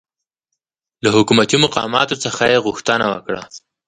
له حکومتي مقاماتو څخه یې غوښتنه وکړه